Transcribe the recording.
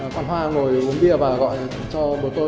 con hoa ngồi uống bia và gọi cho bố tôi